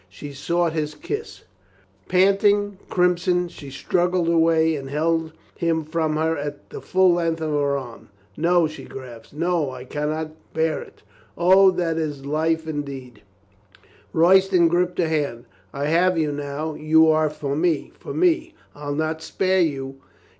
She sought his kiss ... Panting, crimson, she struggled away and held him from her at the full length of her arm. "No," she gasped. "No, I can not bear it. O, that is life indeed." COLONEL STOW WARNS HIS FRIEND 223 Royston gripped her hand. "I have you now. You are for me, for me. I'll not spare you."